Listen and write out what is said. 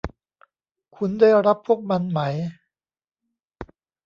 คุณได้รับพวกมันไหม